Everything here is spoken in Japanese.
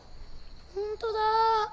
ほんとだ。